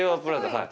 はい。